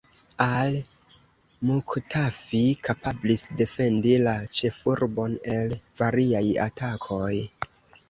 Al-Muktafi kapablis defendi la ĉefurbon el variaj atakoj.